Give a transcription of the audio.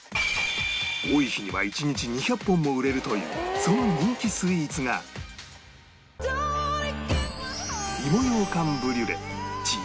多い日には１日２００本も売れるというその人気スイーツがへえ。